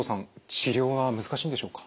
治療は難しいんでしょうか？